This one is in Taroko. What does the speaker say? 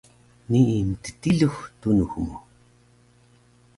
Nii mttilux tunux mu